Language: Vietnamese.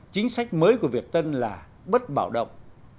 chính sách mới của việt tân là bất bảo động